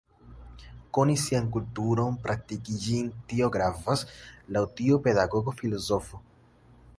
Koni sian kulturon, praktiki ĝin, tio gravas laŭ tiu pedagogo filozofo.